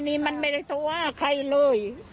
นี่มันไม่ได้โทรว่าใครเลย